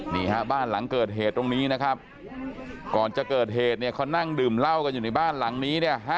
นี่ฮะบ้านหลังเกิดเหตุตรงนี้นะครับก่อนจะเกิดเหตุเนี่ยเขานั่งดื่มเหล้ากันอยู่ในบ้านหลังนี้เนี่ย